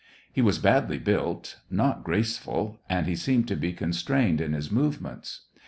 He was badly built, not graceful, and he seemed to be constrained in his movements.